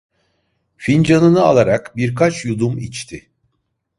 Fincanını alarak birkaç yudum içti.